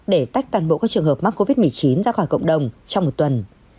để tách toàn bộ các trường hợp mắc covid một mươi chín ra khỏi cộng đồng trong một tuần